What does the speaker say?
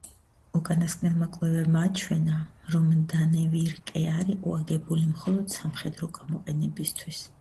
უკანასკნელმა კვლევებმა აჩვენა, რომ დანევირკე არ იყო აგებული მხოლოდ სამხედრო გამოყენებისთვის.